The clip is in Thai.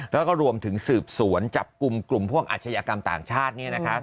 แล้วก็รวมถึงสืบสวนจับกลุ่มพวกอาชญากรรมต่างชาตินี่นะคะ